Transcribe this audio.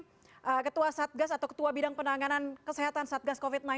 bapak ketua satgas atau ketua bidang penanganan kesehatan satgas covid sembilan belas